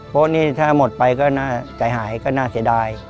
เพราะนี่ถ้าหมดไปก็น่าใจหายก็น่าเสียดาย